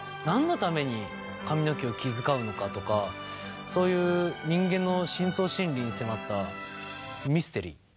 何のために髪の毛を気遣うのかとかそういう人間の深層心理に迫ったミステリー。